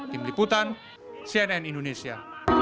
tim liputan cnn indonesia